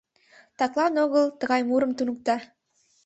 Таклан огыл тыгай мурым туныкта.